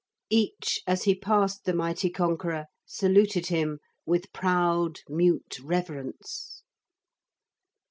Each as he passed the mighty conqueror saluted him with proud mute reverence.